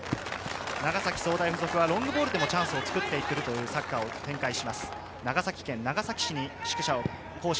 長崎総大付属はロングボールでチャンスを作っていけるサッカーを展開します。